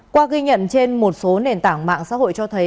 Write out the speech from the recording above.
qua ghi nhận trên một số nền tảng mạng xã hội cho thấy